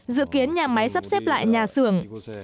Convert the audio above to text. dự kiến nhà máy sắp xếp lại nhà xưởng